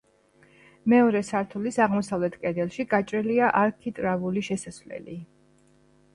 მეორე სართულის აღმოსავლეთ კედელში გაჭრილია არქიტრავული შესასვლელი.